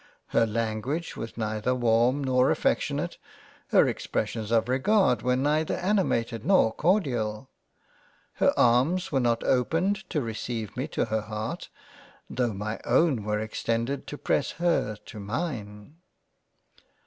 Her Language was neither warm, nor affec tionate, her expressions of regard were neither animated nor cordial ; her arms were not opened to receive me to her Heart tho' my own were extended to press her to mine.